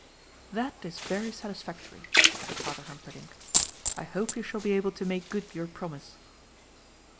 "That is very satisfactory," said Father Humperdinck. "I hope you shall be able to make good your promise."